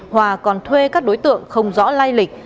hòa còn thuê các đối tượng không rõ lai lịch